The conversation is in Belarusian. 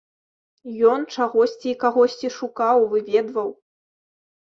Ён чагосьці і кагосьці шукаў, выведваў.